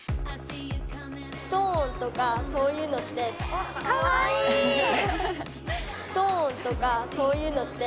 ストーンとか、そういうのって。